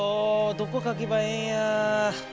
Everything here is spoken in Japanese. どこかけばええんや？